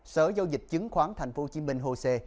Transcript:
sở giao dịch chứng khoán tp hcm hồ sê